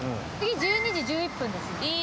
次１２時１１分ですね。